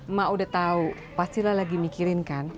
emak udah tahu pastilah lagi mikirin kan